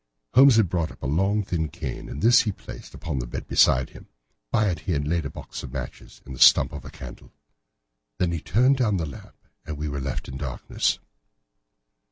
Holmes had brought up a long thin cane, and this he placed upon the bed beside him. By it he laid the box of matches and the stump of a candle. Then he turned down the lamp, and we were left in darkness.